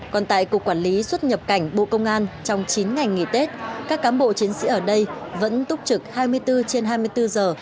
còn tại cục quản lý xuất nhập cảnh bộ công an trong chín ngày nghỉ tết các cán bộ chiến sĩ ở đây vẫn túc trực hai mươi bốn trên hai mươi bốn giờ